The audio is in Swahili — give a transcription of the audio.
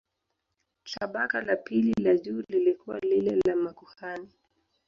Tabaka la pili la juu lilikuwa lile la makuhani.